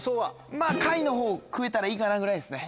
まぁ下位のほう食えたらいいかなぐらいですね。